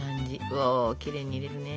おきれいに入れるね。